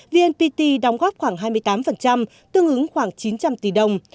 vnpt đóng góp khoảng hai mươi tám tương ứng khoảng chín trăm linh tỷ đồng